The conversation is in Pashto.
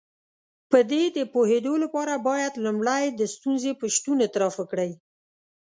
په دې د پوهېدو لپاره بايد لومړی د ستونزې په شتون اعتراف وکړئ.